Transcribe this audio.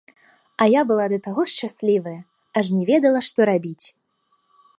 А я была да таго шчаслівая, аж не ведала, што рабіць.